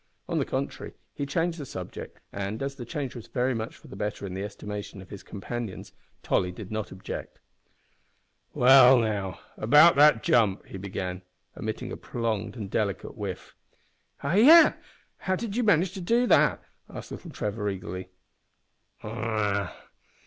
On the contrary, he changed the subject, and, as the change was very much for the better in the estimation of his companions, Tolly did not object. "Well now, about that jump," he began, emitting a prolonged and delicate whiff. "Ah, yes! How did you manage to do it?" asked little Trevor, eagerly.